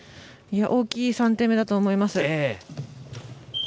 大きい３点目だと思います。